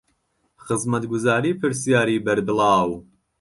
خزمەتگوزارى پرسیارى بەربڵاو